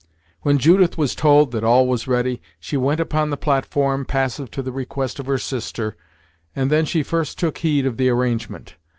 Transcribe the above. When Judith was told that all was ready, she went upon the platform, passive to the request of her sister, and then she first took heed of the arrangement.